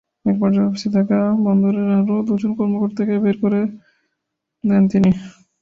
একপর্যায়ে অফিসে থাকা বন্দরের আরও দুজন কর্মকর্তাকে বের করে দেন তিনি।